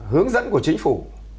hướng dẫn của chính phủ